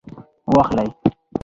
واخلئ